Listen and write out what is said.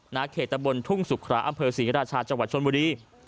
เขตตะบนทุ่งสุขระอำเภอศรีราชาจังหวัดชนบุรี